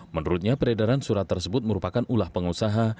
menurutnya peredaran surat tersebut merupakan ulah pengusaha